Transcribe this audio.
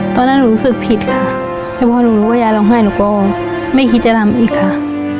ตอนนั้นหนูรู้สึกผิดค่ะแต่พอหนูรู้ว่ายายร้องไห้หนูก็ไม่คิดจะทำอีกค่ะ